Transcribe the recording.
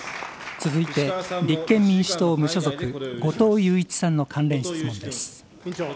続いて立憲民主党・無所属、後藤祐一さんの関連質問です。